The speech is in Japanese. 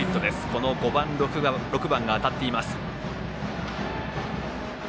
この５、６番が当たっています。